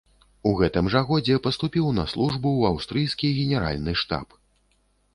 У гэтым жа годзе паступіў на службу ў аўстрыйскі генеральны штаб.